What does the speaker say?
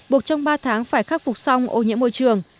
buộc trong ba tháng phải khắc phục xong ô nhiễm môi trường